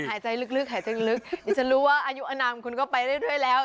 หายใจลึกนี่จะรู้ว่าอายุอนามคุณก็ไปได้ด้วยแล้ว